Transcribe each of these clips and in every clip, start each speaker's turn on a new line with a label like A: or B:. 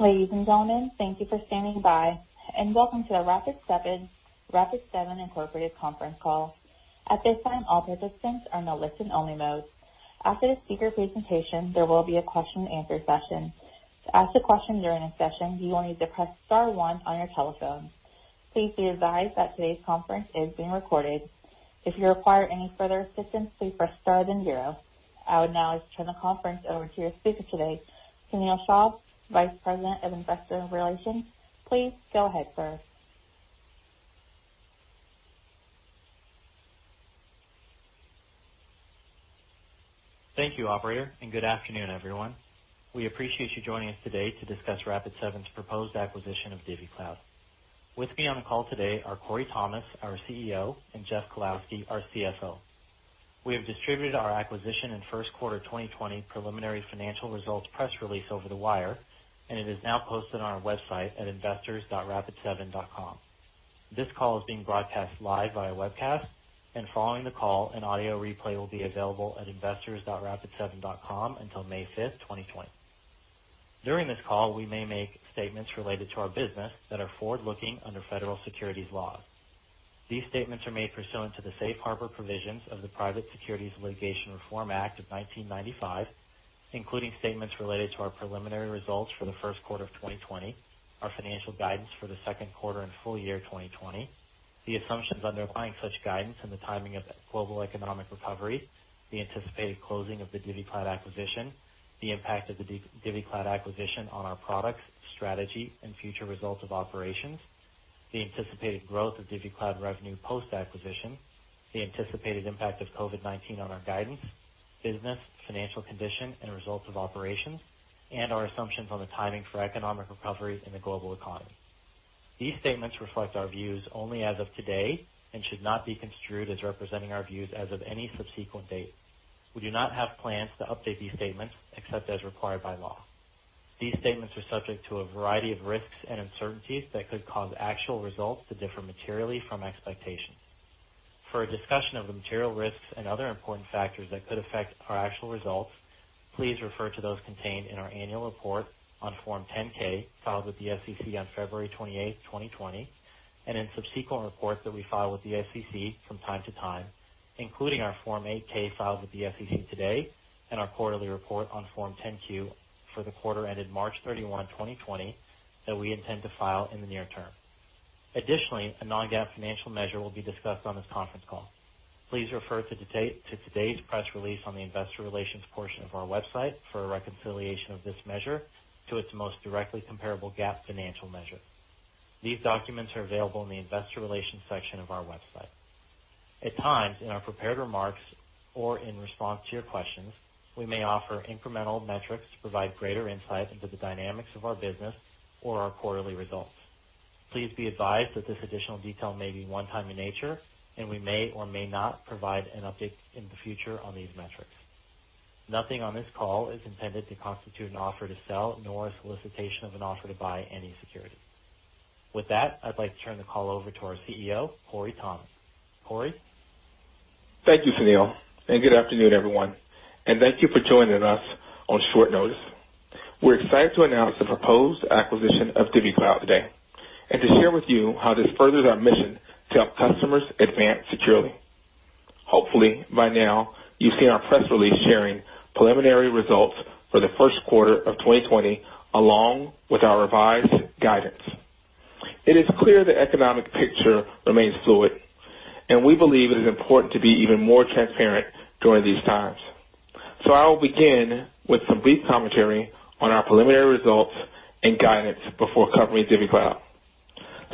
A: Ladies and gentlemen, thank you for standing by, and welcome to the Rapid7, Inc. conference call. At this time, all participants are in the listen-only mode. After the speaker presentation, there will be a question and answer session. To ask a question during the session, you will need to press star one on your telephone. Please be advised that today's conference is being recorded. If you require any further assistance, please press star then zero. I would now like to turn the conference over to your speaker today, Sunil Shah, Vice President of Investor Relations. Please go ahead, sir.
B: Thank you, operator, and good afternoon, everyone. We appreciate you joining us today to discuss Rapid7's proposed acquisition of DivvyCloud. With me on the call today are Corey Thomas, our CEO, and Jeff Kalowski, our CFO. We have distributed our acquisition in first quarter 2020 preliminary financial results press release over the wire, and it is now posted on our website at investors.rapid7.com. This call is being broadcast live via webcast, and following the call, an audio replay will be available at investors.rapid7.com until May 5th, 2020. During this call, we may make statements related to our business that are forward-looking under federal securities laws. These statements are made pursuant to the safe harbor provisions of the Private Securities Litigation Reform Act of 1995, including statements related to our preliminary results for the first quarter of 2020, our financial guidance for the second quarter and full year 2020, the assumptions underlying such guidance, and the timing of global economic recovery, the anticipated closing of the DivvyCloud acquisition, the impact of the DivvyCloud acquisition on our products, strategy, and future results of operations, the anticipated growth of DivvyCloud revenue post-acquisition, the anticipated impact of COVID-19 on our guidance, business, financial condition, and results of operations, and our assumptions on the timing for economic recovery in the global economy. These statements reflect our views only as of today and should not be construed as representing our views as of any subsequent date. We do not have plans to update these statements except as required by law. These statements are subject to a variety of risks and uncertainties that could cause actual results to differ materially from expectations. For a discussion of the material risks and other important factors that could affect our actual results, please refer to those contained in our annual report on Form 10-K, filed with the SEC on February 28th, 2020, and in subsequent reports that we file with the SEC from time to time, including our Form 8-K filed with the SEC today and our quarterly report on Form 10-Q for the quarter ended March 31, 2020, that we intend to file in the near term. Additionally, a non-GAAP financial measure will be discussed on this conference call. Please refer to today's press release on the investor relations portion of our website for a reconciliation of this measure to its most directly comparable GAAP financial measure. These documents are available in the investor relations section of our website. At times, in our prepared remarks or in response to your questions, we may offer incremental metrics to provide greater insight into the dynamics of our business or our quarterly results. Please be advised that this additional detail may be one-time in nature, and we may or may not provide an update in the future on these metrics. Nothing on this call is intended to constitute an offer to sell, nor a solicitation of an offer to buy any security. With that, I'd like to turn the call over to our CEO, Corey Thomas. Corey?
C: Thank you, Sunil, and good afternoon, everyone, and thank you for joining us on short notice. We're excited to announce the proposed acquisition of DivvyCloud today and to share with you how this furthers our mission to help customers advance securely. Hopefully, by now, you've seen our press release sharing preliminary results for the first quarter of 2020, along with our revised guidance. It is clear the economic picture remains fluid, and we believe it is important to be even more transparent during these times. I will begin with some brief commentary on our preliminary results and guidance before covering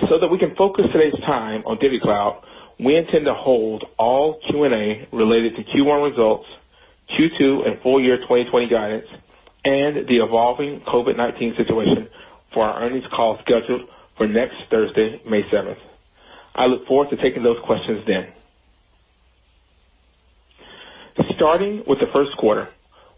C: DivvyCloud. That we can focus today's time on DivvyCloud, we intend to hold all Q&A related to Q1 results, Q2 and full year 2020 guidance, and the evolving COVID-19 situation for our earnings call scheduled for next Thursday, May 7th. I look forward to taking those questions then. Starting with the first quarter,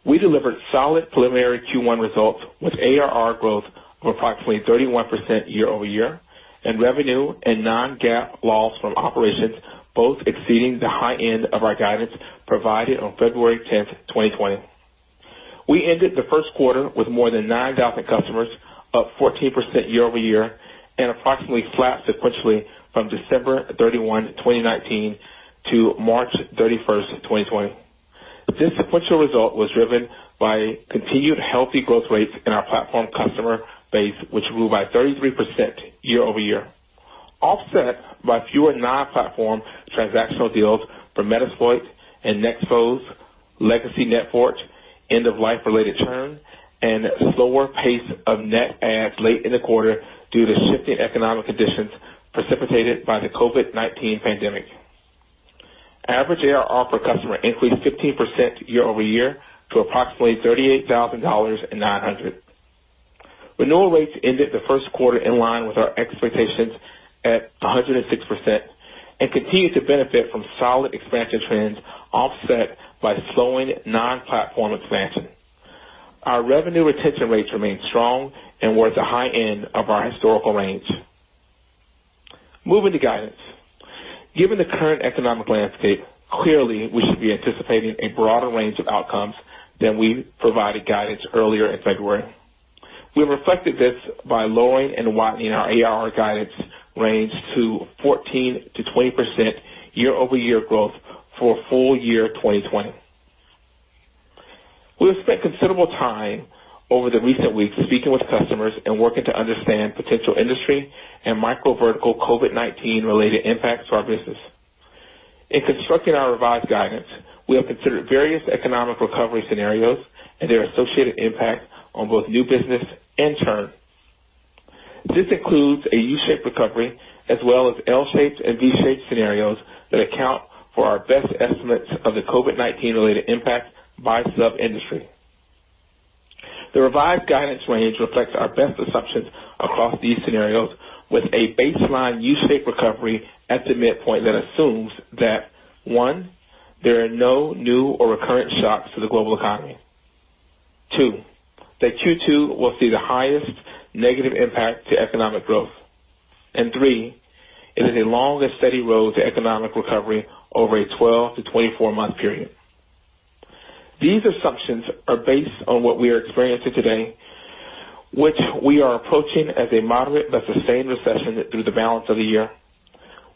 C: we delivered solid preliminary Q1 results with ARR growth of approximately 31% year-over-year, and revenue and non-GAAP loss from operations, both exceeding the high end of our guidance provided on February 10, 2020. We ended the first quarter with more than 9,000 customers, up 14% year-over-year, and approximately flat sequentially from December 31, 2019, to March 31, 2020. This sequential result was driven by continued healthy growth rates in our platform customer base, which grew by 33% year-over-year, offset by fewer non-platform transactional deals from Metasploit and Nexpose, legacy NetFort, end of life-related churn, and slower pace of net adds late in the quarter due to shifting economic conditions precipitated by the COVID-19 pandemic. Average ARR per customer increased 15% year-over-year to approximately $38,900. Renewal rates ended the first quarter in line with our expectations at 106% and continued to benefit from solid expansion trends offset by slowing non-platform expansion. Our revenue retention rates remain strong and were at the high end of our historical range. Moving to guidance. Given the current economic landscape, clearly we should be anticipating a broader range of outcomes than we provided guidance earlier in February. We reflected this by lowering and widening our ARR guidance range to 14%-20% year-over-year growth for full year 2020. We have spent considerable time over the recent weeks speaking with customers and working to understand potential industry and micro-vertical COVID-19 related impacts to our business. In constructing our revised guidance, we have considered various economic recovery scenarios and their associated impact on both new business and churn. This includes a U-shaped recovery as well as L-shaped and V-shaped scenarios that account for our best estimates of the COVID-19 related impact by sub-industry. The revised guidance range reflects our best assumptions across these scenarios with a baseline U-shaped recovery at the midpoint that assumes that, one, there are no new or recurrent shocks to the global economy. Two, that Q2 will see the highest negative impact to economic growth. Three, it is a long and steady road to economic recovery over a 12 to 24-month period. These assumptions are based on what we are experiencing today, which we are approaching as a moderate but sustained recession through the balance of the year.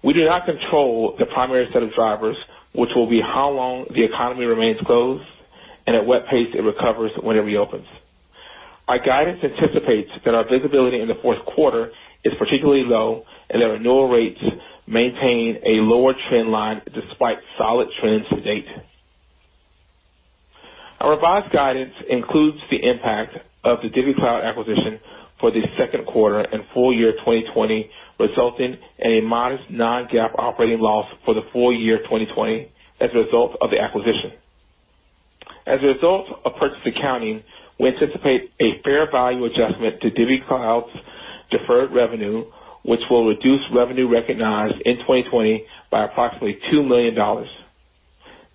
C: We do not control the primary set of drivers, which will be how long the economy remains closed and at what pace it recovers when it reopens. Our guidance anticipates that our visibility in the fourth quarter is particularly low and that renewal rates maintain a lower trend line despite solid trends to date. Our revised guidance includes the impact of the DivvyCloud acquisition for the second quarter and full year 2020, resulting in a modest non-GAAP operating loss for the full year 2020 as a result of the acquisition. As a result of purchase accounting, we anticipate a fair value adjustment to DivvyCloud's deferred revenue, which will reduce revenue recognized in 2020 by approximately $2 million.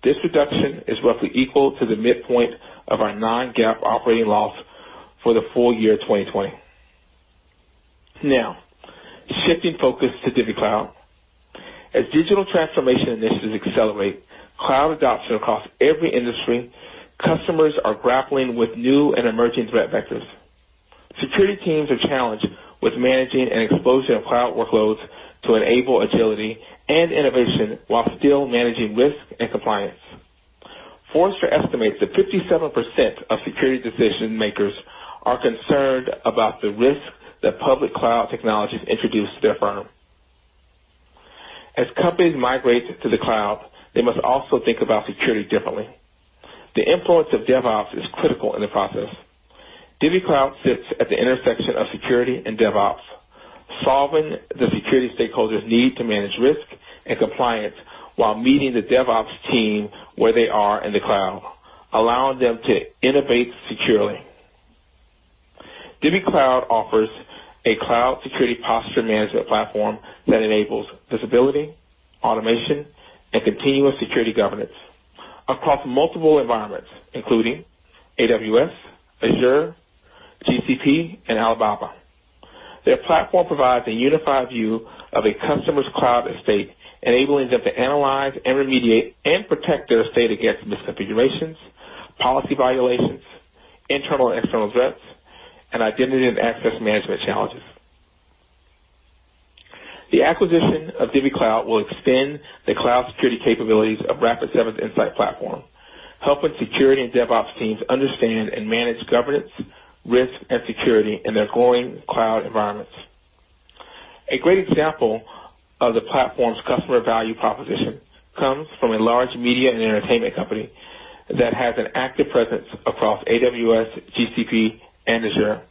C: This reduction is roughly equal to the midpoint of our non-GAAP operating loss for the full year 2020. Now, shifting focus to DivvyCloud. As digital transformation initiatives accelerate cloud adoption across every industry, customers are grappling with new and emerging threat vectors. Security teams are challenged with managing an explosion of cloud workloads to enable agility and innovation while still managing risk and compliance. Forrester estimates that 57% of security decision-makers are concerned about the risk that public cloud technologies introduce to their firm. As companies migrate to the cloud, they must also think about security differently. The influence of DevOps is critical in the process. DivvyCloud sits at the intersection of security and DevOps, solving the security stakeholders' need to manage risk and compliance while meeting the DevOps team where they are in the cloud, allowing them to innovate securely. DivvyCloud offers a cloud security posture management platform that enables visibility, automation, and continuous security governance across multiple environments, including AWS, Azure, GCP, and Alibaba. Their platform provides a unified view of a customer's cloud estate, enabling them to analyze and remediate and protect their estate against misconfigurations, policy violations, internal and external threats, and identity and access management challenges. The acquisition of DivvyCloud will extend the cloud security capabilities of Rapid7's Insight platform, helping security and DevOps teams understand and manage governance, risk, and security in their growing cloud environments. A great example of the platform's customer value proposition comes from a large media and entertainment company that has an active presence across AWS, GCP, and Azure.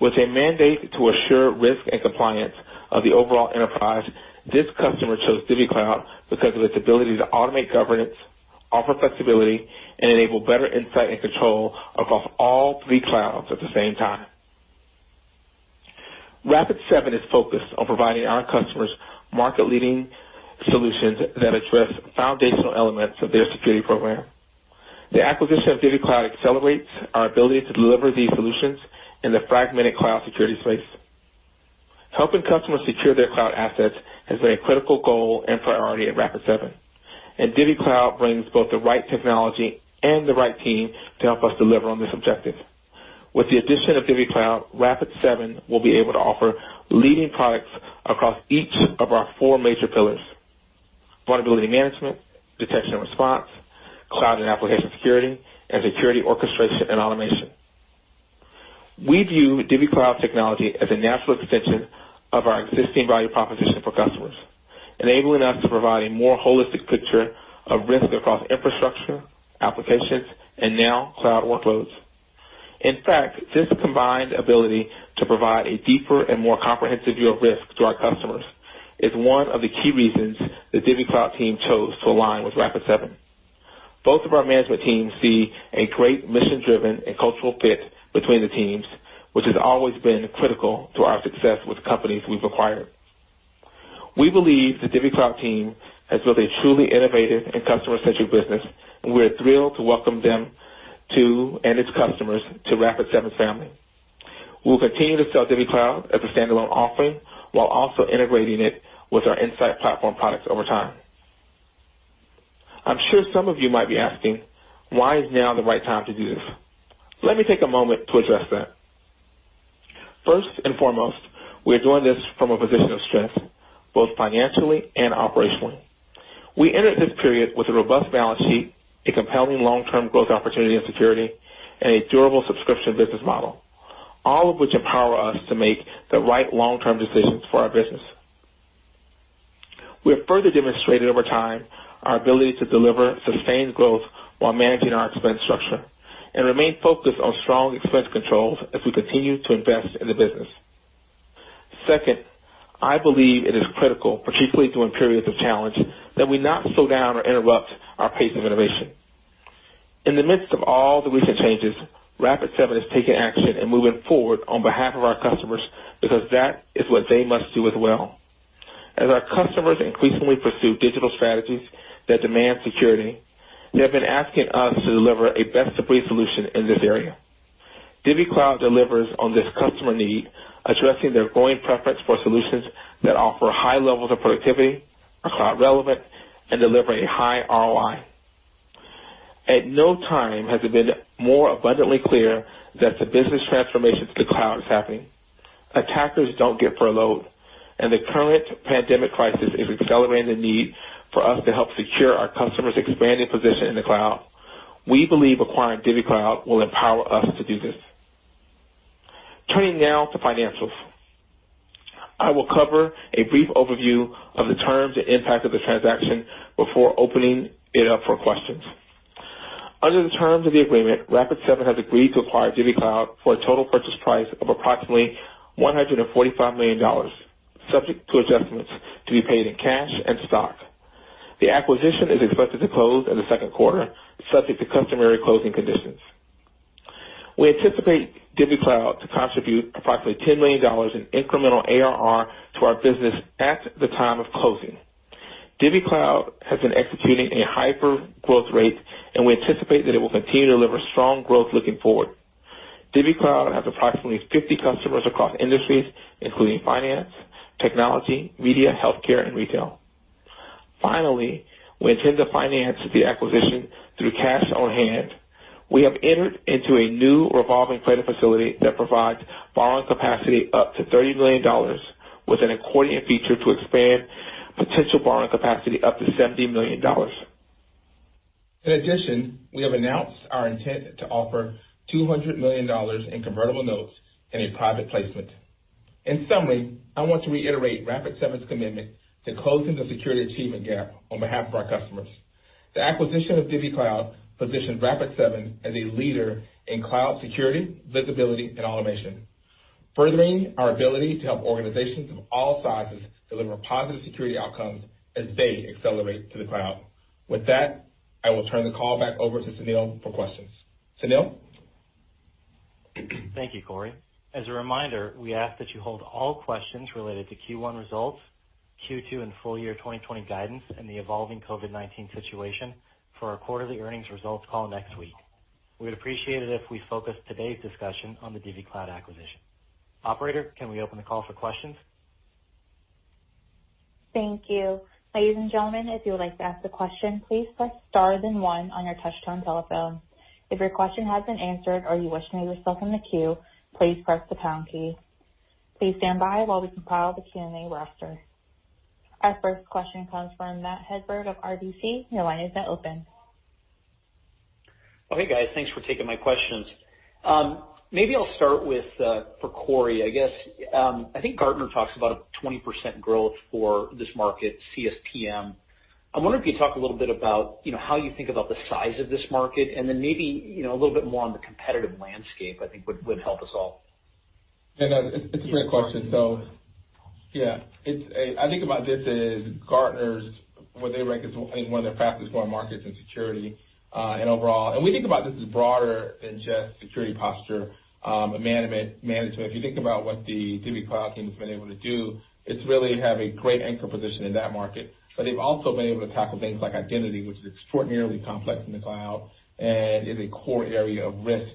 C: With a mandate to assure risk and compliance of the overall enterprise, this customer chose DivvyCloud because of its ability to automate governance, offer flexibility, and enable better Insight and control across all three clouds at the same time. Rapid7 is focused on providing our customers market-leading solutions that address foundational elements of their security program. The acquisition of DivvyCloud accelerates our ability to deliver these solutions in the fragmented cloud security space. Helping customers secure their cloud assets has been a critical goal and priority at Rapid7, and DivvyCloud brings both the right technology and the right team to help us deliver on this objective. With the addition of DivvyCloud, Rapid7 will be able to offer leading products across each of our four major pillars, vulnerability management, detection and response, cloud and application security, and security orchestration and automation. We view DivvyCloud technology as a natural extension of our existing value proposition for customers, enabling us to provide a more holistic picture of risk across infrastructure, applications, and now cloud workloads. In fact, this combined ability to provide a deeper and more comprehensive view of risk to our customers is one of the key reasons the DivvyCloud team chose to align with Rapid7. Both of our management teams see a great mission-driven and cultural fit between the teams, which has always been critical to our success with companies we've acquired. We believe the DivvyCloud team has built a truly innovative and customer-centric business, and we're thrilled to welcome them and its customers to Rapid7 family. We'll continue to sell DivvyCloud as a standalone offering while also integrating it with our Insight platform products over time. I'm sure some of you might be asking, "Why is now the right time to do this?" Let me take a moment to address that. First and foremost, we are doing this from a position of strength, both financially and operationally. We entered this period with a robust balance sheet, a compelling long-term growth opportunity and security, and a durable subscription business model, all of which empower us to make the right long-term decisions for our business. We have further demonstrated over time our ability to deliver sustained growth while managing our expense structure and remain focused on strong expense controls as we continue to invest in the business. Second, I believe it is critical, particularly during periods of challenge, that we not slow down or interrupt our pace of innovation. In the midst of all the recent changes, Rapid7 is taking action and moving forward on behalf of our customers because that is what they must do as well. As our customers increasingly pursue digital strategies that demand security, they have been asking us to deliver a best-of-breed solution in this area. DivvyCloud delivers on this customer need, addressing their growing preference for solutions that offer high levels of productivity, are cloud relevant, and deliver a high ROI. At no time has it been more abundantly clear that the business transformation to the cloud is happening. Attackers don't get furloughed, the current pandemic crisis is accelerating the need for us to help secure our customers' expanding position in the cloud. We believe acquiring DivvyCloud will empower us to do this. Turning now to financials. I will cover a brief overview of the terms and impact of the transaction before opening it up for questions. Under the terms of the agreement, Rapid7 has agreed to acquire DivvyCloud for a total purchase price of approximately $145 million, subject to adjustments to be paid in cash and stock. The acquisition is expected to close in the second quarter, subject to customary closing conditions. We anticipate DivvyCloud to contribute approximately $10 million in incremental ARR to our business at the time of closing. DivvyCloud has been executing at hypergrowth rates, we anticipate that it will continue to deliver strong growth looking forward. DivvyCloud has approximately 50 customers across industries, including finance, technology, media, healthcare, and retail. Finally, we intend to finance the acquisition through cash on hand. We have entered into a new revolving credit facility that provides borrowing capacity up to $30 million, with an accordion feature to expand potential borrowing capacity up to $70 million. In addition, we have announced our intent to offer $200 million in convertible notes in a private placement. In summary, I want to reiterate Rapid7's commitment to closing the security achievement gap on behalf of our customers. The acquisition of DivvyCloud positions Rapid7 as a leader in cloud security, visibility, and automation, furthering our ability to help organizations of all sizes deliver positive security outcomes as they accelerate to the cloud. With that, I will turn the call back over to Sunil for questions. Sunil?
B: Thank you, Corey. As a reminder, we ask that you hold all questions related to Q1 results, Q2 and full year 2020 guidance, and the evolving COVID-19 situation for our quarterly earnings results call next week. We would appreciate it if we focus today's discussion on the DivvyCloud acquisition. Operator, can we open the call for questions?
A: Thank you. Ladies and gentlemen, if you would like to ask a question, please press star then one on your touch-tone telephone. If your question has been answered or you wish to remain still in the queue, please press the pound key. Please stand by while we compile the Q&A roster. Our first question comes from Matt Hedberg of RBC. Your line has been opened.
D: Hey, guys. Thanks for taking my questions. Maybe I'll start with for Corey, I guess. I think Gartner talks about a 20% growth for this market, CSPM. I wonder if you talk a little bit about how you think about the size of this market, and then maybe a little bit more on the competitive landscape, I think would help us all.
C: Yeah, no, it's a great question. Yeah. I think about this as Gartner, where they reckon it's one of their fastest-growing markets in security, and overall. We think about this as broader than just security posture management. If you think about what the DivvyCloud team's been able to do, it's really have a great anchor position in that market. They've also been able to tackle things like identity, which is extraordinarily complex in the cloud and is a core area of risk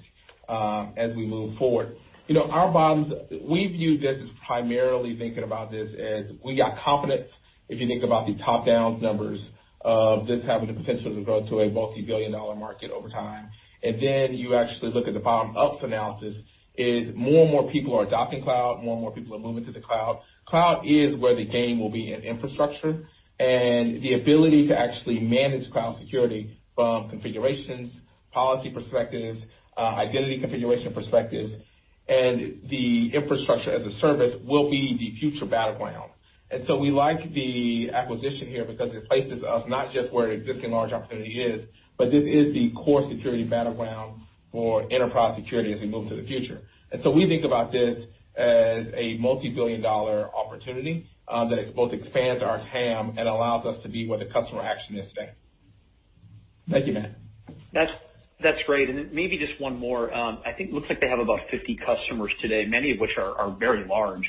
C: as we move forward. We view this as primarily thinking about this as we got confidence, if you think about the top-down numbers of this having the potential to grow to a multi-billion dollar market over time. You actually look at the bottom-up analysis is more and more people are adopting cloud, more and more people are moving to the cloud. Cloud is where the game will be in infrastructure and the ability to actually manage cloud security from configurations, policy perspectives, identity configuration perspectives, and the infrastructure as a service will be the future battleground. We like the acquisition here because it places us not just where an existing large opportunity is, but this is the core security battleground for enterprise security as we move to the future. We think about this as a multi-billion dollar opportunity that both expands our TAM and allows us to be where the customer action is today. Thank you, Matt.
D: That's great. Maybe just one more. I think it looks like they have about 50 customers today, many of which are very large.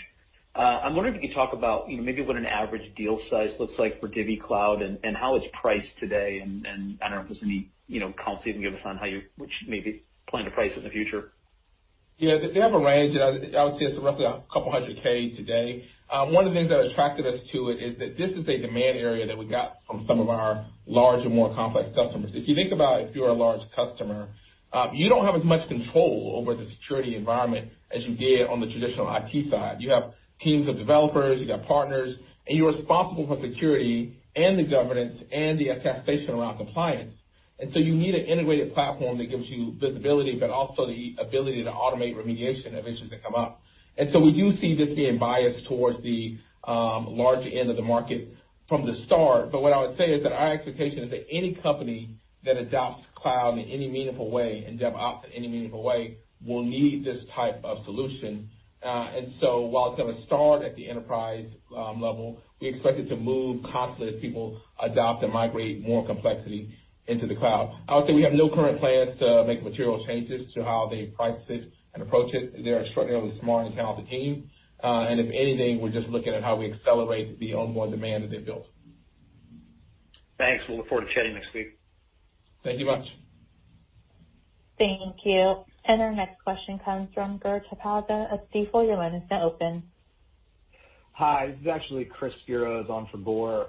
D: I'm wondering if you could talk about maybe what an average deal size looks like for DivvyCloud and how it's priced today. I don't know if there's any color you can give us on how you maybe plan to price it in the future.
C: Yeah. They have a range, and I would say it's roughly a couple of hundred K today. One of the things that attracted us to it is that this is a demand area that we got from some of our larger, more complex customers. If you think about if you're a large customer, you don't have as much control over the security environment as you did on the traditional IT side. You have teams of developers, you got partners, and you're responsible for security and the governance and the attestation around compliance. You need an integrated platform that gives you visibility, but also the ability to automate remediation of issues that come up. We do see this being biased towards the larger end of the market from the start. What I would say is that our expectation is that any company that adopts cloud in any meaningful way and DevOps in any meaningful way will need this type of solution. While it's going to start at the enterprise level, we expect it to move constantly as people adopt and migrate more complexity into the cloud. I would say we have no current plans to make material changes to how they price it and approach it. They're extraordinarily smart and talented team. If anything, we're just looking at how we accelerate the ongoing demand that they built.
D: Thanks. We'll look forward to chatting next week.
C: Thank you much.
A: Thank you. Our next question comes from Gur Talpaz of Stifel. Your line is now open.
E: Hi, this is actually on Chris Speros for Gur.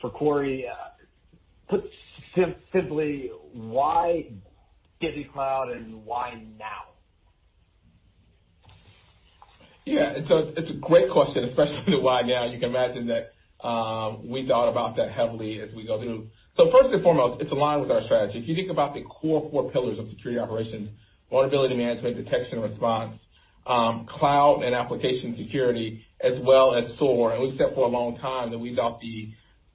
E: For Corey, put simply, why DivvyCloud and why now?
C: Yeah. It's a great question, especially the why now. You can imagine, we thought about that heavily as we go through. First and foremost, it's aligned with our strategy. If you think about the core four pillars of security operations, vulnerability management, detection and response, cloud and application security, as well as SOAR. We've said for a long time that we thought the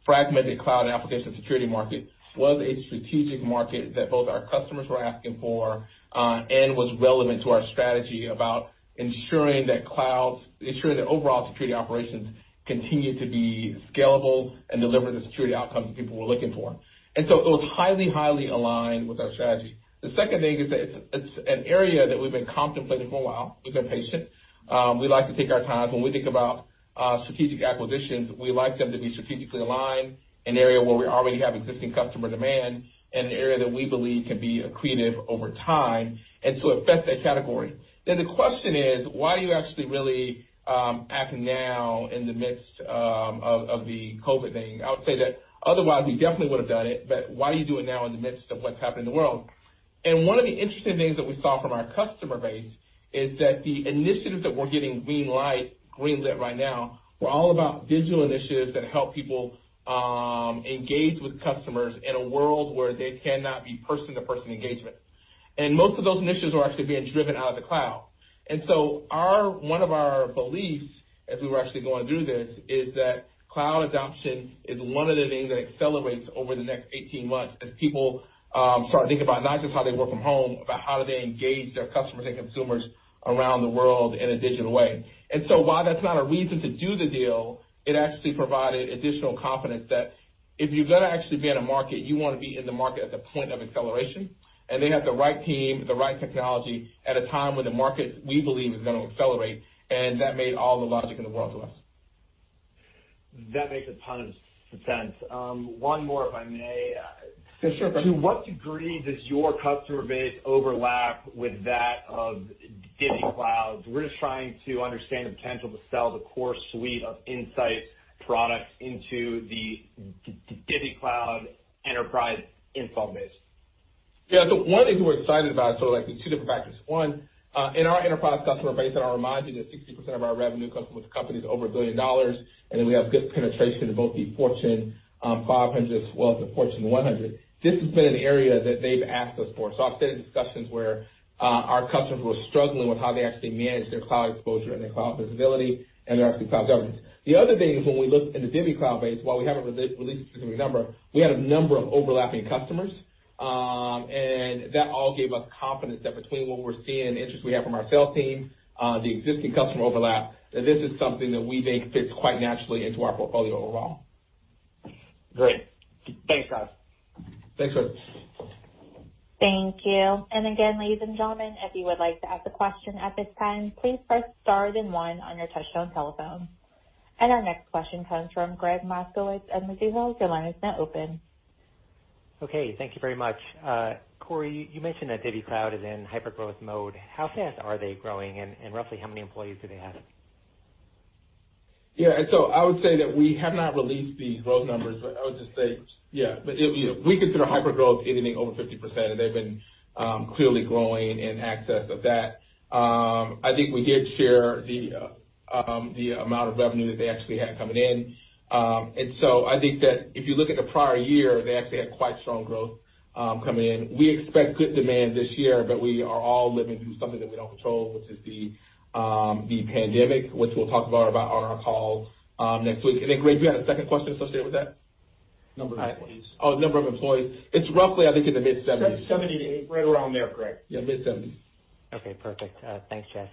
C: fragmented cloud and application security market was a strategic market that both our customers were asking for, and was relevant to our strategy about ensuring that overall security operations continue to be scalable and deliver the security outcomes that people were looking for. It was highly aligned with our strategy. The second thing is that it's an area that we've been contemplating for a while. We've been patient. We like to take our time. We think about strategic acquisitions, we like them to be strategically aligned, an area where we already have existing customer demand and an area that we believe can be accretive over time. It fits that category. The question is, why are you actually really acting now in the midst of the COVID-19? I would say that otherwise we definitely would have done it, but why are you doing it now in the midst of what's happening in the world? One of the interesting things that we saw from our customer base is that the initiatives that we're giving green lit right now were all about digital initiatives that help people engage with customers in a world where there cannot be person-to-person engagement. Most of those initiatives are actually being driven out of the cloud. One of our beliefs as we were actually going through this is that cloud adoption is one of the things that accelerates over the next 18 months as people start thinking about not just how they work from home, about how do they engage their customers and consumers around the world in a digital way. While that's not a reason to do the deal, it actually provided additional confidence that if you're going to actually be in a market, you want to be in the market at the point of acceleration. They have the right team, the right technology, at a time when the market, we believe, is going to accelerate. That made all the logic in the world to us.
E: That makes a ton of sense. One more, if I may.
C: Yeah, sure.
E: To what degree does your customer base overlap with that of DivvyCloud's? We're just trying to understand the potential to sell the core suite of Insight products into the DivvyCloud enterprise install base.
C: One thing we're excited about, so the two different factors. One, in our enterprise customer base, and I'll remind you that 60% of our revenue comes from companies over $1 billion, and then we have good penetration in both the Fortune 500 as well as the Fortune 100. This has been an area that they've asked us for. I've sat in discussions where our customers were struggling with how they actually manage their cloud exposure and their cloud visibility and their actually cloud governance. The other thing is when we looked in the DivvyCloud base, while we haven't released a specific number, we had a number of overlapping customers. That all gave us confidence that between what we're seeing, interest we have from our sales team, the existing customer overlap, that this is something that we think fits quite naturally into our portfolio overall.
E: Great. Thanks, guys.
C: Thanks, Chris.
A: Thank you. Again, ladies and gentlemen, if you would like to ask a question at this time, please press star then one on your touchtone telephone. Our next question comes from Gregg Moskowitz at Mizuho. Your line is now open.
F: Okay, thank you very much. Corey, you mentioned that DivvyCloud is in hypergrowth mode. How fast are they growing, and roughly how many employees do they have?
C: I would say that we have not released the growth numbers, but I would just say. We consider hypergrowth anything over 50%, and they've been clearly growing in excess of that. I think we did share the amount of revenue that they actually had coming in. I think that if you look at the prior year, they actually had quite strong growth coming in. We expect good demand this year, but we are all living through something that we don't control, which is the pandemic, which we'll talk more about on our call next week. Gregg, do you have a second question associated with that?
F: Number of employees.
C: Number of employees. It's roughly, I think, in the mid-70s.
G: 70, 80, right around there, Gregg. Yeah, mid-70s.
F: Okay, perfect. Thanks, Jeff.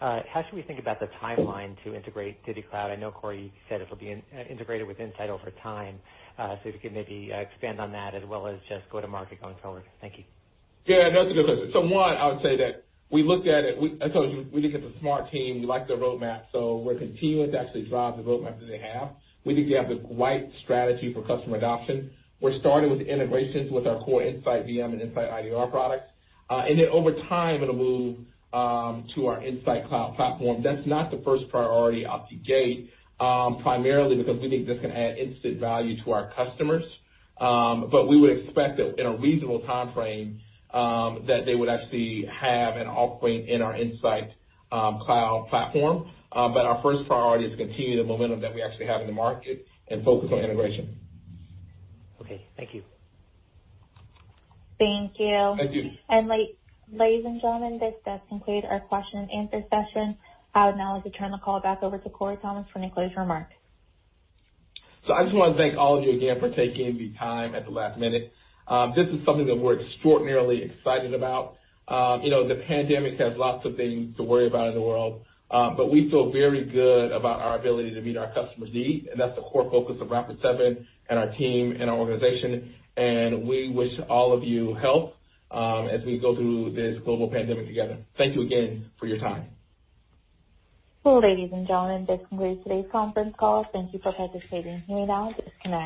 F: How should we think about the timeline to integrate DivvyCloud? I know Corey said it will be integrated with Insight over time. If you could maybe expand on that as well as just go-to-market going forward. Thank you.
C: Yeah, no, that's a good question. One, I would say that we looked at it. We think it's a smart team. We like their roadmap, so we're continuing to actually drive the roadmap that they have. We think they have the right strategy for customer adoption. We're starting with integrations with our core InsightVM and InsightIDR products. Then over time, it'll move to our Insight cloud platform. That's not the first priority out the gate, primarily because we think this can add instant value to our customers. We would expect that in a reasonable timeframe that they would actually have an off-point in our Insight cloud platform. Our first priority is to continue the momentum that we actually have in the market and focus on integration.
F: Okay. Thank you.
A: Thank you.
C: Thank you.
A: Ladies and gentlemen, this does conclude our question and answer session. I would now like to turn the call back over to Corey Thomas for any closing remarks.
C: I just want to thank all of you again for taking the time at the last minute. This is something that we're extraordinarily excited about. The pandemic has lots of things to worry about in the world, but we feel very good about our ability to meet our customers' needs, and that's the core focus of Rapid7 and our team and our organization. We wish all of you health as we go through this global pandemic together. Thank you again for your time.
A: Well, ladies and gentlemen, this concludes today's conference call. Thank you for participating. You may now disconnect.